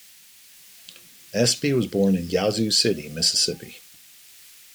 Espy was born in Yazoo City, Mississippi.